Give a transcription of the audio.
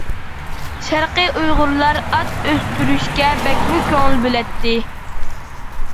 شەرقى ئۇيغۇرلار ئات ئۆستۈرۈشكە بەكمۇ كۆڭۈل بۆلەتتى.